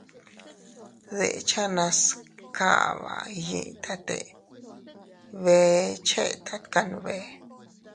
Dechenas kaba iyitate bee chetat kanbe.